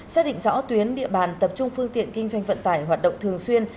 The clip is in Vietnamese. xác định rõ tuyến địa bàn tập trung phương tiện kinh doanh vận tải hoạt động thường xuyên